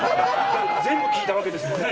全部聞いたわけですもんね。